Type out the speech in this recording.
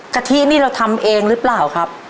กะทินี่เราทำเองหรือเปล่าครับ